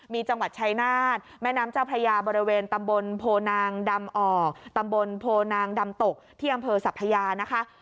มีจังหวัดชายนาฏแม่น้ำเจ้าพระยาบริเวณตำบลโพนางดำออกตำบลโพนางดำตกที่อำเภอสัพพยานะคะ